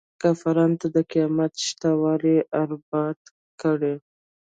کافرانو ته د قیامت شته والی ازبات کړي.